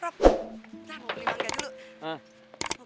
tunggu limangin dulu